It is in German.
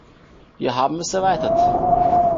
Wir haben es erweitert.